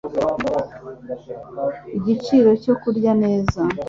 igiciro cyo kurya neza